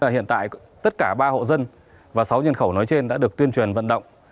hiện tại tất cả ba hộ dân và sáu nhân khẩu nói trên đã được tuyên truyền vận động